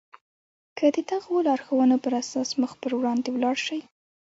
که د دغو لارښوونو پر اساس مخ پر وړاندې ولاړ شئ.